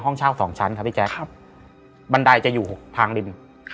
ห้องเช่าสองชั้นครับพี่แจ๊คบันไดจะอยู่ทางริม